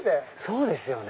そうですよね。